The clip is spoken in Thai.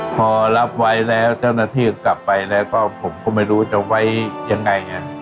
พอรับไว้แล้วเจ้าหน้าที่กลับไปแล้วก็ผมก็ไม่รู้จะไว้ยังไง